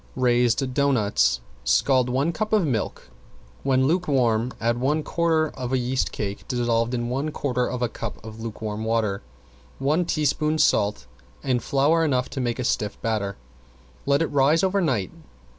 ~RAISED DOUGHNUTS~ Scald one cup of milk. When lukewarm add one quarter of a yeast cake dissolved in one quarter of a cup of lukewarm water, one teaspoon salt and flour enough to make a stiff batter. Let it rise over night.